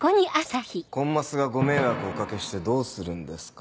コンマスがご迷惑をおかけしてどうするんですか。